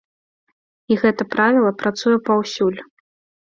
І гэта правіла працуе паўсюль.